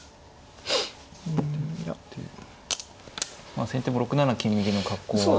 まあ先手も６七金右の格好は。